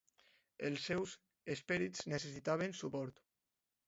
Els seus esperits necessitaven suport.